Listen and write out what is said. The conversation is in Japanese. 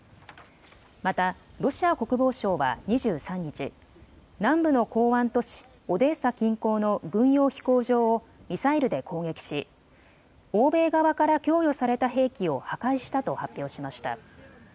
またロシア国防省は２３日、南部の港湾都市オデーサ近郊の軍用飛行場をミサイルで攻撃し欧米側から供与された兵器を破壊したと発表しました。